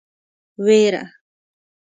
وېره.